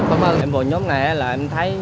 em vào nhóm này là em thấy